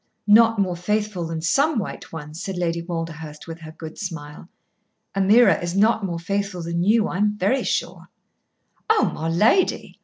"Not more faithful than some white ones," said Lady Walderhurst with her good smile. "Ameerah is not more faithful than you, I'm very sure." "Oh, my lady!"